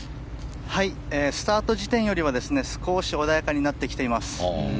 スタート時点よりは少し穏やかになってきています。